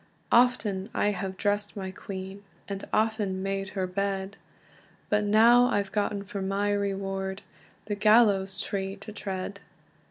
"Often have I dressd my queen, And often made her bed: But now I've gotten for my reward The gallows tree to tread.